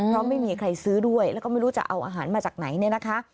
เพราะไม่มีใครซื้อด้วยแล้วก็ไม่รู้จะเอาอาหารมาจากไหนเนี่ยนะคะ